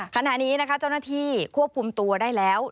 ขณะนี้นะคะเจ้าหน้าที่ควบคุมตัวได้แล้ว